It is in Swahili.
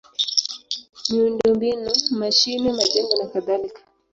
miundombinu: mashine, majengo nakadhalika.